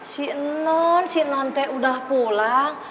si non si nonte udah pulang